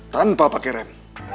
tanpa pake rem